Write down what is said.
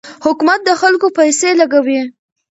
حکومت د خلکو پیسې لګوي.